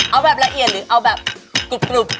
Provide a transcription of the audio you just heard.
เอาแบบละเอียดหรือเอาแบบกรุบ